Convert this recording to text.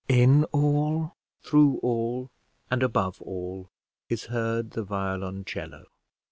In all, through all, and above all, is heard the violoncello.